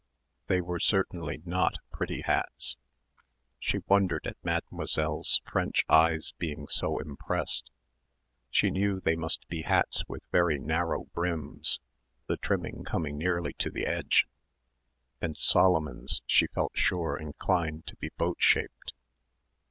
They were certainly not pretty hats she wondered at Mademoiselle's French eyes being so impressed. She knew they must be hats with very narrow brims, the trimming coming nearly to the edge and Solomon's she felt sure inclined to be boat shaped.